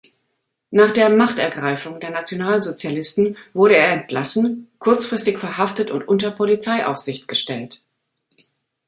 Nach der „Machtergreifung“ der Nationalsozialisten wurde er entlassen kurzfristig verhaftet und unter Polizeiaufsicht gestellt.